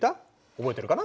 覚えてるかな？